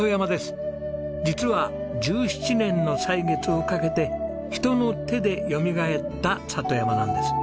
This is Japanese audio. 実は１７年の歳月をかけて人の手でよみがえった里山なんです。